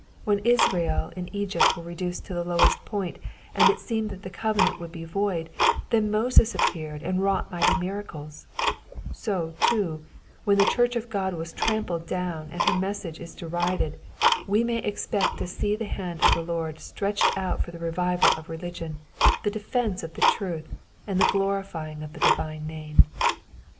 When Israel in Effypt were reduced to the lowest point, and it seemed that the covenant would oe void, then Moses appeared and wrought mighty miracles ; so, too, when the church of God is trampled down, and her message is derided, we may expect to see the hand of the Lord stretched out for the revival of religion, the defence of the truth, and the glorifying of the divine name.